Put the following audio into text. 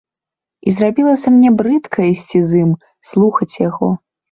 І зрабілася мне брыдка ісці з ім, слухаць яго.